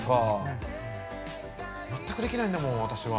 まったくできないんだもん私は。